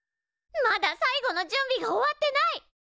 まだ最後の準備が終わってない。